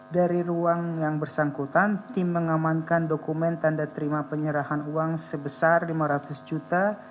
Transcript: dari ruang yang bersangkutan tim mengamankan dokumen tanda terima penyerahan uang sebesar lima ratus juta